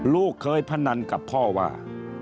ลูกเคยพนันกับพ่อว่า